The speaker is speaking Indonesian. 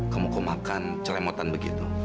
kamu kemakan ceremotan begitu